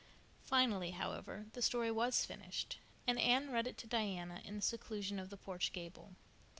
Finally, however, the story was finished, and Anne read it to Diana in the seclusion of the porch gable.